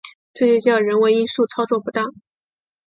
这就叫人为因素操作不当